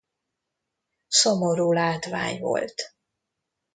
Szomorú látvány volt.